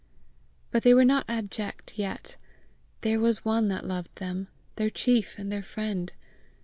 But they were not abject yet; there was one that loved them their chief and their friend!